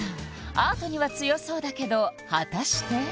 アートには強そうだけど果たして？